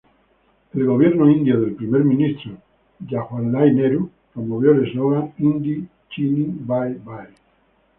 El gobierno Indio del primer ministro Jawaharlal Nehru promovió el eslogan "Hindi-Chini bhai-bhai.